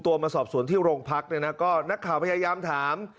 มาสอบสวนที่โรงพักเนี่ยนะก็นักข่าวพยายามถาม